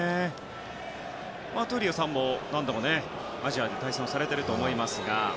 闘莉王さんも何度もアジアと対戦されてると思いますが。